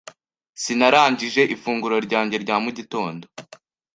Sinarangije ifunguro ryanjye rya mu gitondo.